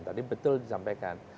tadi betul disampaikan